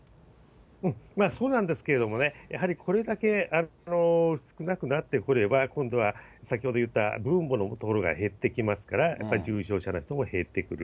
そうなんですけれどもね、やはりこれだけ少なくなってくれば、今度は先ほど言った分母のところが減ってきますから、やっぱり重症者の人も減ってくる。